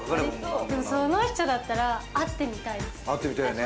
その人だったら会ってみたいです。